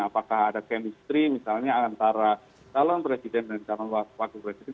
apakah ada chemistry misalnya antara calon presiden dan calon wakil presiden